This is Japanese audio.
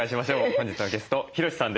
本日のゲストヒロシさんです。